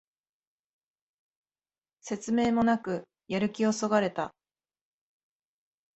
説明もなくやる気をそがれた